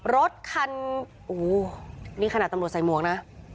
รถคันโอ้โหนี่ขนาดตำรวจใส่หมวกนะ